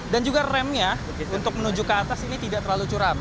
dan juga remnya untuk menuju ke atas ini tidak terlalu curam